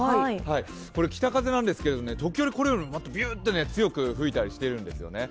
これ、北風なんですが時折、これよりもビューって強く吹いたりしてるんですよね。